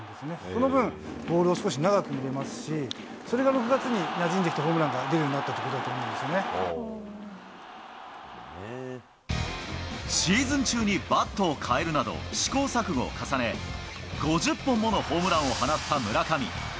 その分、ボールを少し長く見れますし、それが６月になじんできてホームランが出るようになったというこシーズン中にバットを変えるなど、試行錯誤を重ね、５０本ものホームランを放った村上。